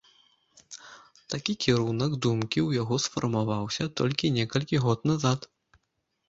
Такі кірунак думкі ў яго сфармаваўся толькі некалькі год назад.